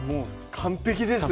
完璧です